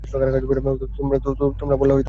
তোমরা পরলা রাস্তায়!